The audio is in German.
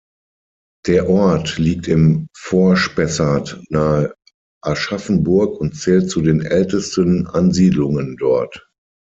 Der Ort liegt im Vorspessart nahe Aschaffenburg und zählt zu den ältesten Ansiedlungen dort.